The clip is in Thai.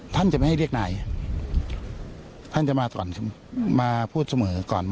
ท่านจะไม่ให้เรียกนายท่านจะมาก่อนมาพูดเสมอก่อน